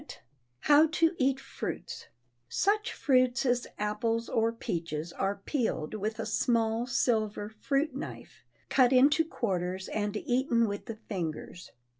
[Sidenote: HOW TO EAT FRUITS] Such fruits as apples or peaches are peeled with a small silver fruit knife, cut into quarters and eaten with the fingers.